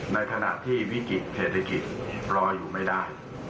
ในขณะที่วิกฤติเศรษฐกิจรออยู่ไม่ได้